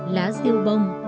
lá diêu bông